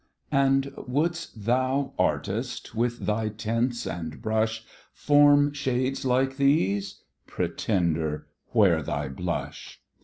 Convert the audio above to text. And wouldst thou, Artist! with thy tints and brush, Form shades like these? Pretender, where thy blush?